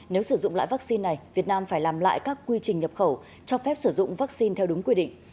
nếu sử dụng lại vaccine này việt nam phải làm lại các quy trình nhập khẩu cho phép sử dụng vaccine theo đúng quy định